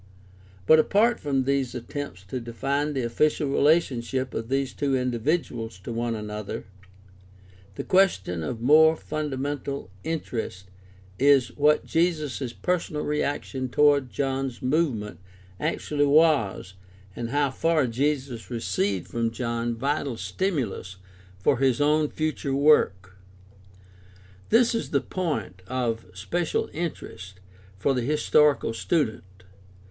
But apart from these attempts to define the official relationship of these two indi viduals to one another, the question of more fundamental interest is what Jesus' personal reaction toward John's movement actually was and how far Jesus received from John vital stimulus for 'his own future work. This is the point of special interest for the historical student.